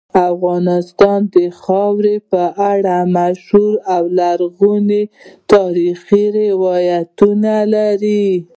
افغانستان د خاورې په اړه مشهور او لرغوني تاریخی روایتونه لري.